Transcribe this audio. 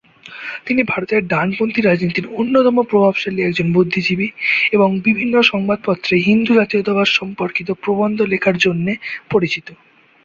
তিনি ভারতের ডানপন্থী রাজনীতির অন্যতম প্রভাবশালী একজন বুদ্ধিজীবী এবং বিভিন্ন সংবাদপত্রে হিন্দু জাতীয়তাবাদ সম্পর্কিত প্রবন্ধ লেখার জন্যে পরিচিত।